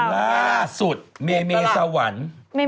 ล่าสุดเมเมสวรรค์